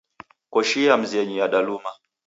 Koshi ya mzenyu yadaluma.